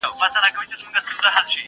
ژونده راسه څو د میني ترانې سه،